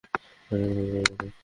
হ্যাঁঁ, রোহান ভার্মাকে।